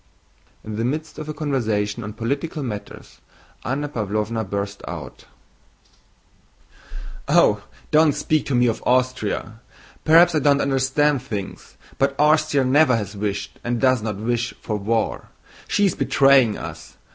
In the midst of a conversation on political matters Anna Pávlovna burst out: "Oh, don't speak to me of Austria. Perhaps I don't understand things, but Austria never has wished, and does not wish, for war. She is betraying us!